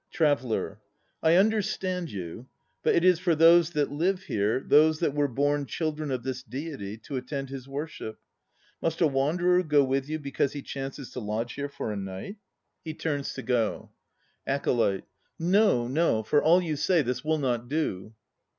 TRAVELLER. I understand you. But it is for those that live here, those that were born children of this Deity, to attend his worship. Must a wanderer go with you because he chances to lodge here for a night? 198 THE NO PLAYS OF JAPAN (He turns to go.) ACOLYTE. No, No! For all you say, this will not do.